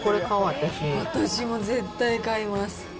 私も絶対買います。